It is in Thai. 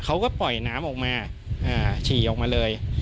เขาก็ปล่อยน้ำออกมาฉี่ออกมาเลย